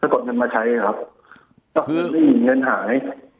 กดเงินมาใช้ครับแล้วก็คือได้ยินเงินหาย